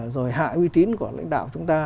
rồi hại uy tín của lãnh đạo chúng ta